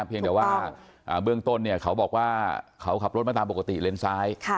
เพียงแต่ว่าเบื้องต้นเนี่ยเขาบอกว่าเขาขับรถมาตามปกติเลนซ้าย